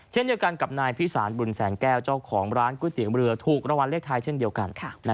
เช่นเดียวกันกับนายพิสารบุญแสงแก้วเจ้าของร้านก๋วยเตี๋ยวเรือถูกรางวัลเลขท้ายเช่นเดียวกัน